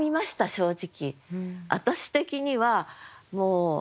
正直。